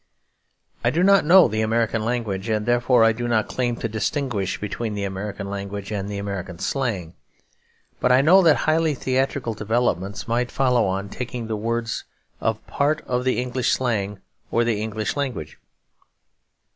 I do not know the American language, and therefore I do not claim to distinguish between the American language and the American slang. But I know that highly theatrical developments might follow on taking the words as part of the English slang or the English language.